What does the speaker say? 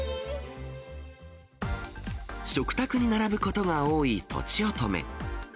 食卓に並ぶことが多いとちおとめ。